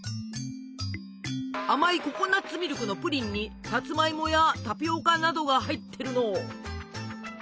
甘いココナツミルクのプリンにさつまいもやタピオカなどが入ってるの。